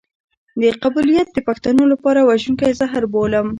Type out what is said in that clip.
قبيلويت د پښتنو لپاره وژونکی زهر بولم.